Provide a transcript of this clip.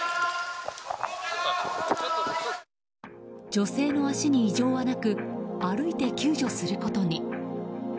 女性の足に異常はなく歩いて救助することに。